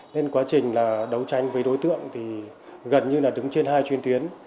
nên quá trình đấu tranh với đối tượng gần như đứng trên hai chuyên tuyến